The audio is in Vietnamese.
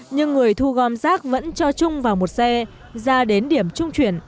nhưng người thu gom rác vẫn cho chung vào một xe ra đến điểm trung chuyển